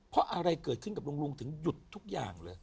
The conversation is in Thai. เพราะอะไรเกิดขึ้นกับลุงลุงถึงหยุดทุกอย่างเลย